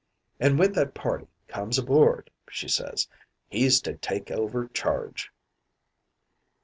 An' when that party comes aboard,' she says, 'he's to take over charge.'